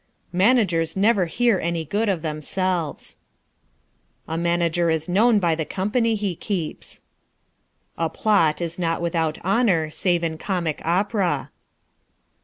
Managers never hear any good of themselves. A manager is known by the company he keeps. A plot is not without honor save in comic opera.